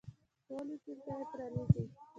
ټولي کړکۍ پرانیزئ